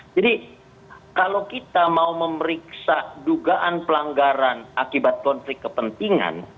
jadi kalau kita mau memeriksa dugaan pelanggaran akibat konflik kepentingan